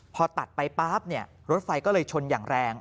พอตัดไปปั๊บรถไฟก็เลยชนอย่างแรง